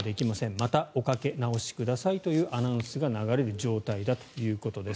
またおかけ直しくださいというアナウンスが流れる状態だということです。